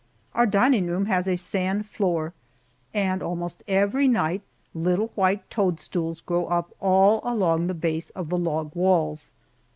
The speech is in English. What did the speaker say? Our dining room has a sand floor, and almost every night little white toadstools grow up all along the base of the log walls.